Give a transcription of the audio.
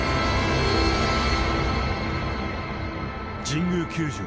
［神宮球場